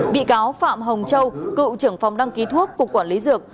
bị cáo phạm hồng châu cựu trưởng phòng đăng ký thuốc cục quản lý dược